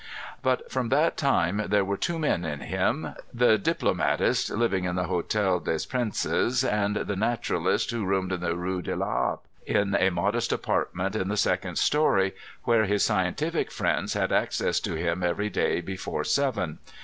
But fropri that time there were two men in him, ŌĆö the diplo matist, living in the Hotel des Princes, and the naturalist who roomed in the Rue de la Harpe, in a modest apartment in the second story; where his scientific friends had access to him ever^r day before seven.